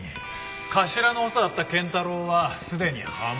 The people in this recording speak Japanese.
頭の補佐だった賢太郎はすでに破門。